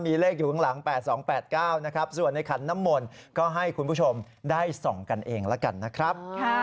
มีเลขอยู่ข้างหลัง๘๒๘๙นะครับส่วนในขันน้ำมนต์ก็ให้คุณผู้ชมได้ส่องกันเองแล้วกันนะครับ